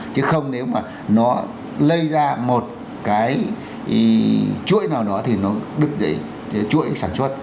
chứ không nếu mà nó lây ra một cái chuỗi nào đó thì nó được chuỗi sản xuất